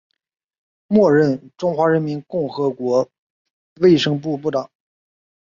末任中华人民共和国卫生部部长。